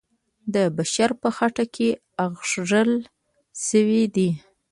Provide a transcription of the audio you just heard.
د بشر په خټه کې اغږل سوی دی.